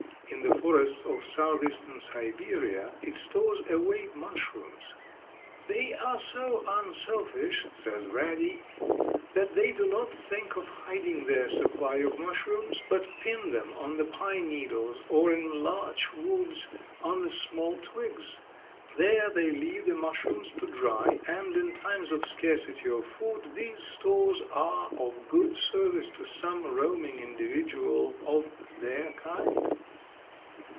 In the forests of southeastern Siberia it stores away mushrooms. "They are so unselfish," says Radde, "that they do not think of hiding their supply of mushrooms, but pin them on the pine needles or in larch woods on the small twigs. There they leave the mushrooms to dry, and in times of scarcity of food these stores are of good service to some roaming individual of their kind."